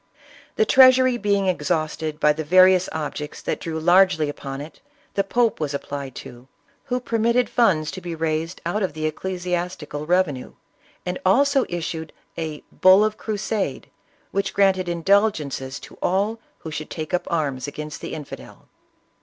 The treasury being ex hausted by the various objects that drew largely upon it, the pope was applied to, who permitted funds to be raised out of the ecclesiastical revenue, and also issued a " bull of crusade," which granted indulgences to all who should take up arms against the infidel.